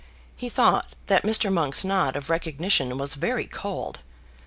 He thought that Mr. Monk's nod of recognition was very cold.